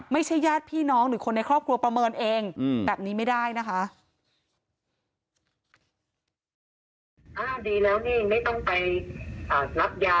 ญาติพี่น้องหรือคนในครอบครัวประเมินเองแบบนี้ไม่ได้นะคะ